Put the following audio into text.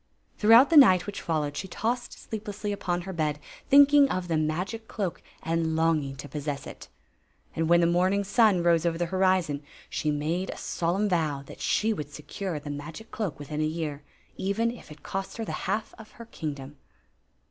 Throughout the night which followed, she tossed sleeplessly upon her bed, thinking of the magic cloak and longing to possess it And when the morning sun rose over the horizon, she made a solemn vow that she would secure the magic cloak within a year, even if it cost her the half of her kingdom.